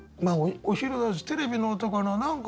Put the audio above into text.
まあお昼だしテレビの音かな。